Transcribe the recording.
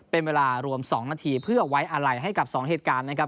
เป็นเวลารวม๒นาทีเพื่อไว้อาลัยให้กับ๒เหตุการณ์นะครับ